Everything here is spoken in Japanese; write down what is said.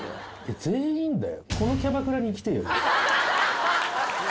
全員だよ。